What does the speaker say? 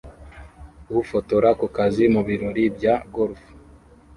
Ufotora kukazi mubirori bya golf